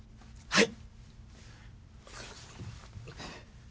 はい。